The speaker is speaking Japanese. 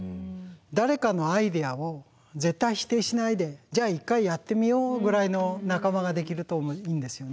誰かのアイデアを絶対否定しないでじゃあ一回やってみようぐらいの仲間ができるといいんですよね。